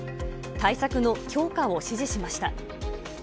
対策の強化を指示しました。